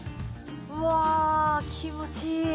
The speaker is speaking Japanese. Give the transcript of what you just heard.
うわ気持ちいい。